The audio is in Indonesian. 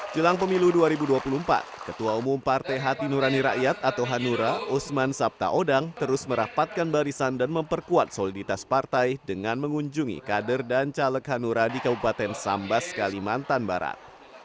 jelang pemilu dua ribu dua puluh empat ketua umum partai hati nurani rakyat atau hanura usman sabtaodang terus merapatkan barisan dan memperkuat soliditas partai dengan mengunjungi kader dan caleg hanura di kabupaten sambas kalimantan barat